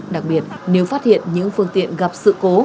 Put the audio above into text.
đặc biệt nếu phát hiện những phương tiện gặp sự cố